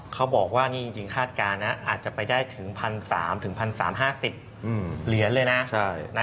เขาบอกว่านี่จริงคาดการณ์นะอาจจะไปได้ถึง๑๓๐๐๑๓๕๐เหรียญเลยนะ